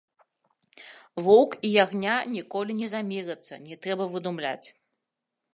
Воўк і ягня ніколі не замірацца, не трэба выдумляць!